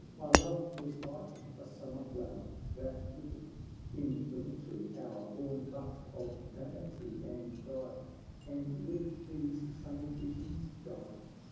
My love was like a summer flower, That withered in the wintry hour, Born but of vanity and pride, And with these sunny visions died.